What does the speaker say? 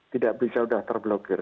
tidak bisa sudah terblokir